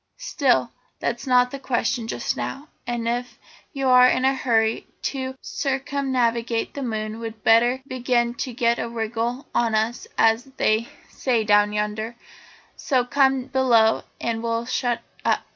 "Still, that's not the question just now, and if you are in a hurry to circumnavigate the moon we'd better begin to get a wriggle on us as they say down yonder; so come below and we'll shut up.